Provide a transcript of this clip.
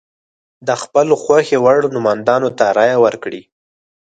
د خپل خوښې وړ نوماندانو ته رایه ورکړي.